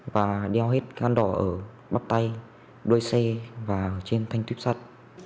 và đeo hết căn đỏ ở bắp tay đôi xe và trên thanh tuyếp sắt